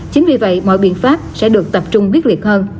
chính vì vậy mọi biện pháp sẽ được tập trung quyết liệt hơn